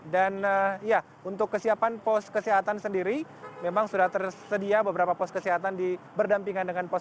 dan ya untuk kesiapan pos kesehatan sendiri memang sudah tersedia beberapa pos kesehatan diberdampingan dengan pos